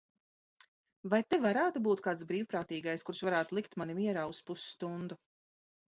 Vai te varētu būt kāds brīvprātīgais, kurš varētu likt mani mierā uz pusstundu?